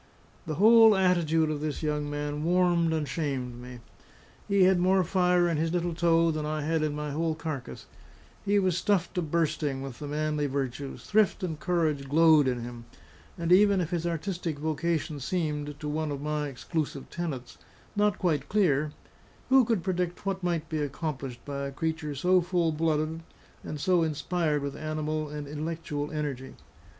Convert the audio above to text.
The whole attitude of this young man warmed and shamed me. He had more fire in his little toe than I had in my whole carcase; he was stuffed to bursting with the manly virtues; thrift and courage glowed in him; and even if his artistic vocation seemed (to one of my exclusive tenets) not quite clear, who could predict what might be accomplished by a creature so full blooded and so inspired with animal and intellectual energy?